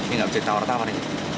ini nggak bisa ditawar tawar ini